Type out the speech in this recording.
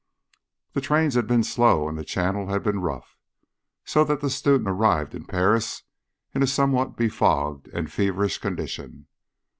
The trains had been slow and the Channel had been rough, so that the student arrived in Paris in a somewhat befogged and feverish condition.